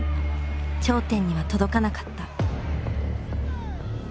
頂点には届かなかった。